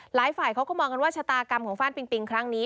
หลายฝ่ายเขาก็มองกันว่าชะตากรรมของฟ่านปิงปิงครั้งนี้